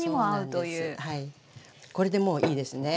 これでもういいですね。